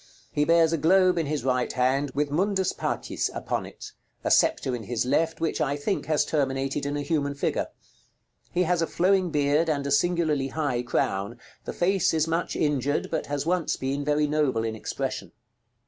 He bears a globe in his right hand, with "MUNDUS PACIS" upon it; a sceptre in his left, which I think has terminated in a human figure. He has a flowing beard, and a singularly high crown; the face is much injured, but has once been very noble in expression.